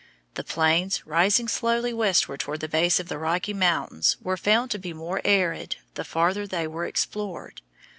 The plains rising slowly westward toward the base of the Rocky Mountains were found to be more arid the farther they were explored.